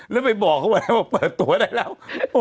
แล้วไปบอกเขาไว้แล้วว่าเปิดตัวได้แล้ว